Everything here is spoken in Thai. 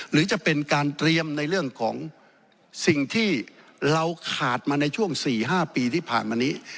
หรือจะเป็นการเตรียมในเรื่องของสิ่งที่เราขาดมาในช่วง๔๕ปีที่ผ่านมานี้